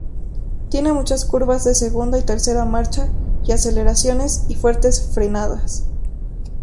Tiene muchas curvas de segunda y tercera marcha y aceleraciones y fuertes frenadas.